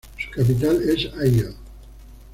Su capital es Aigle.